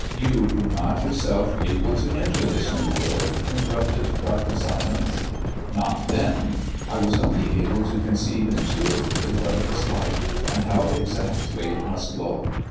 "You were not yourself able to enter this new world," interrupted Dr. Silence. "Not then. I was only able to conceive intuitively what it was like and how exactly it must look.